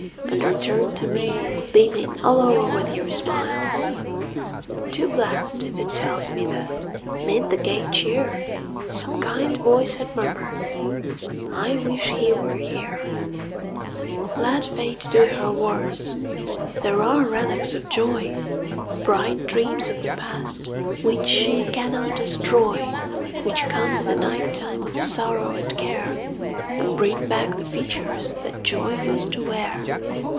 And return to me beaming all o'er with your smiles — 1 5 Too blest, if it tells me that, 'mid the gay cheer, Some kind voice had murmur'd, " I wish he were here 1 " Let fate do her worst ; there are relics of joy, Bright dreams of the past, which she cannot destroy, Which come in the night time of sorrow and care, 2o And bring back the features that joy used to wear.